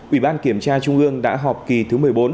ủy ban kiểm tra trung ương đã họp kỳ thứ một mươi bốn